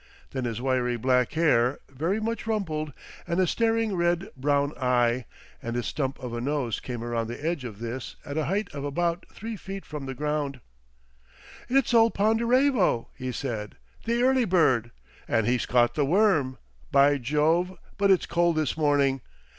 then his wiry black hair, very much rumpled, and a staring red brown eye and his stump of a nose came round the edge of this at a height of about three feet from the ground "It's old Ponderevo!" he said, "the Early bird! And he's caught the worm! By Jove, but it's cold this morning!